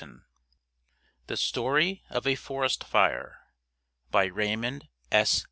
THE STORY OF A FOREST FIRE By Raymond S.